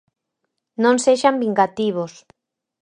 Non sexan vingativos.